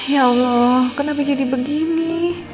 ya allah kenapa jadi begini